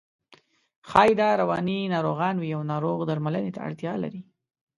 ښایي دا رواني ناروغان وي او ناروغ درملنې ته اړتیا لري.